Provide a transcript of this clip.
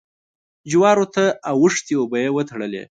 جوارو ته اوښتې اوبه يې وتړلې.